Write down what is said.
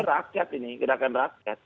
rakyat ini gerakan rakyat